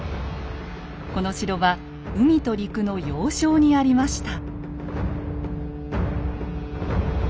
この城は海と陸の要衝にありました。